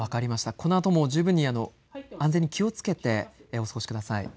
このあとも十分に安全に気をつけてお過ごしください。